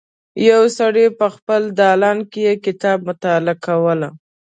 یو سړی په خپل دالان کې کتاب مطالعه کوله.